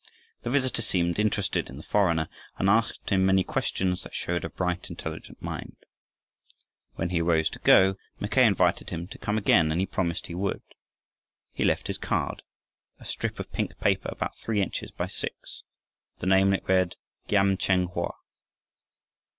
The visitor seemed interested in the foreigner, and asked him many questions that showed a bright, intelligent mind. When he arose to go, Mackay invited him to come again, and he promised he would. He left his card, a strip of pink paper about three inches by six; the name on it read Giam Cheng Hoa.